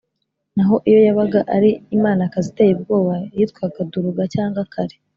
naho iyo yabaga ari imanakazi iteye ubwoba, yitwaga duruga cyangwa kali.